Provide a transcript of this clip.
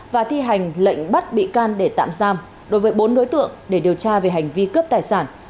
và thi hành lệnh bắt bị can để tạm giam đối với bốn đối tượng để điều tra về hành vi cướp tài sản